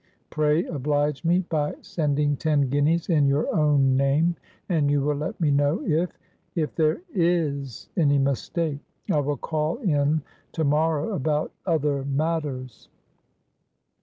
Pray oblige me by sending ten guineas in your own name, and you will let me know if—if there is any mistake. I will call in to morrow about other matters."